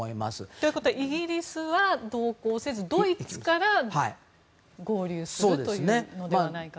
ということはイギリスは同行せずドイツから合流するというのではないかと。